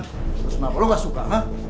terus kenapa lo gak suka ha